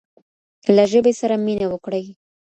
له ژبې سره مينه وکړئ.